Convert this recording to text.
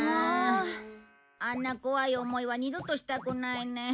あんな怖い思いは二度としたくないね。